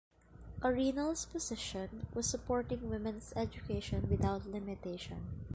Arenal's position was supporting women's education without limitation.